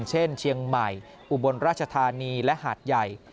เช่นเชียงใหม่อุบลราชธานีและหาดใหญ่